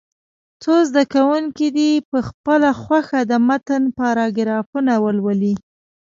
څو زده کوونکي دې په خپله خوښه د متن پاراګرافونه ولولي.